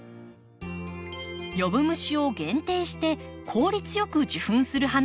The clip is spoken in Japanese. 呼ぶ虫を限定して効率よく受粉する花もあります。